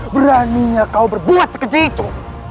beraninya kau berbuat sekecil itu